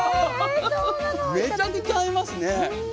めちゃくちゃ合いますね。